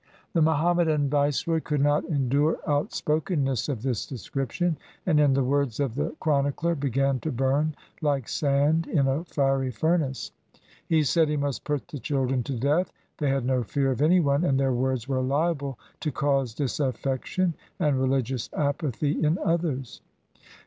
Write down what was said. The Muhammadan viceroy could not endure out spokenness of this description, and, in the words of the chronicler, began to burn like sand in a fiery furnace. He said he must put the children to death. They had no fear of any one, and their words were liable to cause disaffection and religious apathy in others.